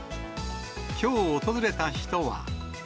きょう訪れた人は。